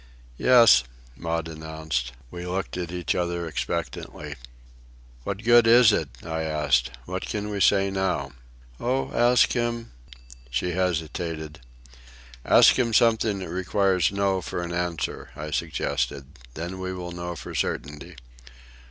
"Yes," Maud announced. We looked at each other expectantly. "What good is it?" I asked. "What can we say now?" "Oh, ask him—" She hesitated. "Ask him something that requires no for an answer," I suggested. "Then we will know for certainty."